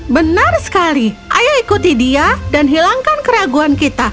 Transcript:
benar sekali ayo ikuti dia dan hilangkan keraguan kita